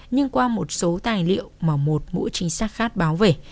nhưng qua một số tài liệu mà một mũi trinh sát khác báo về